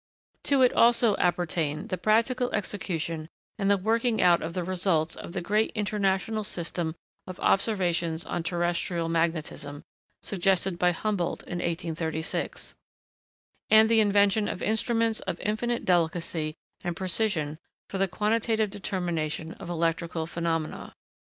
To it also appertain the practical execution and the working out of the results of the great international system of observations on terrestrial magnetism, suggested by Humboldt in 1836; and the invention of instruments of infinite delicacy and precision for the quantitative determination of electrical phenomena.